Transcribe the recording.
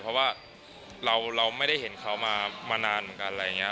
เพราะว่าเราไม่ได้เห็นเขามานานเหมือนกัน